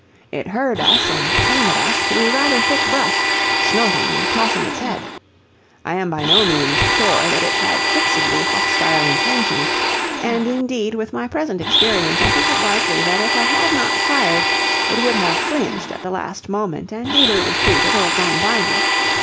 It heard us and came at us through rather thick brush, snorting and tossing its head. I am by no means sure that it had fixedly hostile intentions, and indeed with my present experience I think it likely that if I had not fired it would have flinched at the last moment and either retreated or gone by me.